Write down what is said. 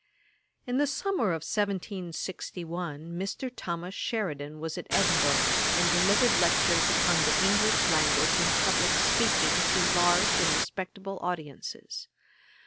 In the summer of 1761 Mr. Thomas Sheridan was at Edinburgh, and delivered lectures upon the English Language and Publick Speaking to large and respectable audiences.